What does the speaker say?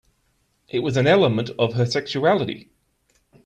It was an element of her sexuality.